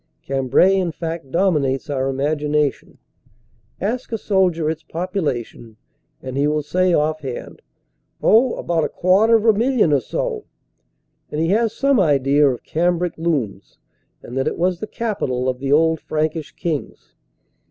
Cambrai, in fact, dominates our imagination. Ask a sol dier its population, and he will say offhand, "Oh, about a quarter of a million or so." And he has some idea of cambric looms and that it was the capital of the old Frankish kings.